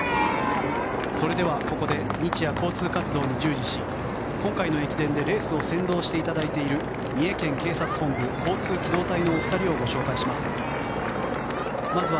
それではここで日夜、交通活動に従事し今回の駅伝でレースを先導していただいている三重県警察本部交通機動隊のお二人をご紹介します。